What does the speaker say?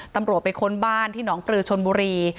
ตำรวจไปค้นบ้านที่หนองปลือชนบุรี